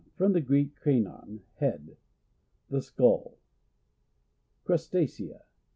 — From the Greek, kranon, head. The skull. Crustacea.